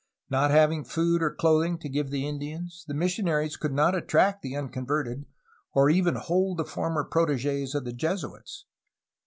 Not having food or clothing to give the Indians, the missionaries could not attract the unconverted or even hold the former proteges of the Jesuits.